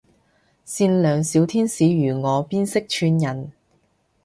善良小天使如我邊識串人